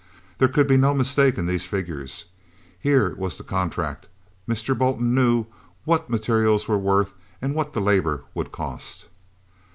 There could be no mistake in these figures; here was the contract, Mr. Bolton knew what materials were worth and what the labor would cost.